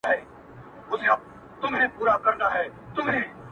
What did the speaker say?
د چینجیو په څېر یو په بل لګېږي.!